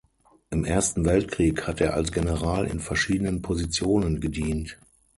Im Ersten Weltkrieg hat er als General in verschiedenen Positionen gedient.